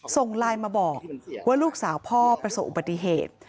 ส่งไลน์มาบอกว่าลูกสาวพ่อประสบอุบัติเหตุ